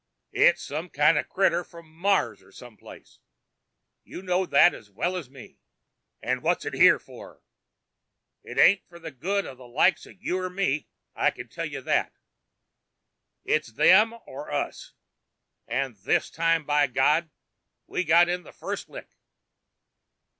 "It's some kind of critter from Mars or someplace you know that as well as me! And what's it here for? It ain't for the good of the likes of you and me, I can tell you that. It's them or us. And this time, by God, we got in the first lick!"